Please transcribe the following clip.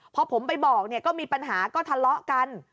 พอผมไปบอกเนี่ยก็มีปัญหาก็ทะเลาะกัน